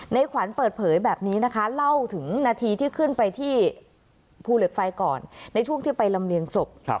ขวัญเปิดเผยแบบนี้นะคะเล่าถึงนาทีที่ขึ้นไปที่ภูเหล็กไฟก่อนในช่วงที่ไปลำเลียงศพ